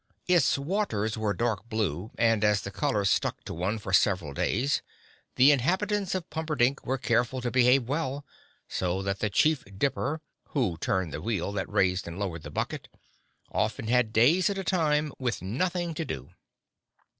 Its waters were dark blue and as the color stuck to one for several days the inhabitants of Pumperdink were careful to behave well, so that the Chief Dipper, who turned the wheel that raised and lowered the bucket, often had days at a time with nothing to do.